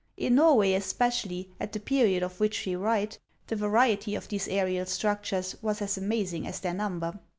In Norway especially, at the period of which we write, the variety of these aerial structures w7as HAXS OF ICELAND. 239 as amazing as their number.